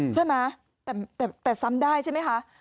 ใช่ไหมแต่ซ้ำได้ใช่ไหมคะ